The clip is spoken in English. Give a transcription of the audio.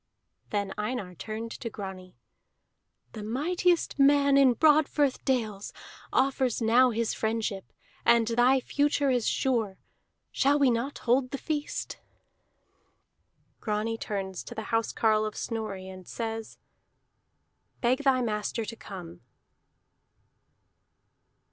Then Einar turned to Grani. "The mightiest man in Broadfirth dales offers now his friendship, and thy future is sure. Shall we not hold the feast?" Grani turns to the housecarle of Snorri, and says: "Beg thy master to come!"